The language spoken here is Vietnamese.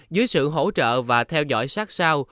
dưới sự hỗ trợ và theo dõi sát sao